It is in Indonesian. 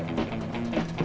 motor ban buka